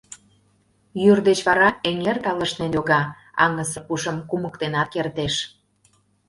— Йӱр деч вара эҥер талышнен йога, аҥысыр пушым кумыктенат кертеш.